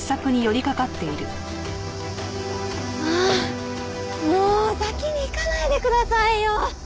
ああもう先に行かないでくださいよ！